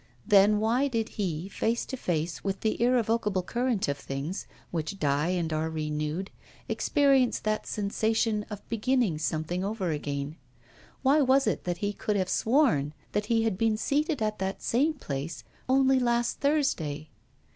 Then why did he, face to face with the irrevocable current of things, which die and are renewed, experience that sensation of beginning something over again why was it that he could have sworn that he had been seated at that same place only last Thursday?